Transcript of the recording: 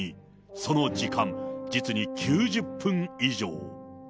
その時間、実に９０分以上。